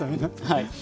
はい。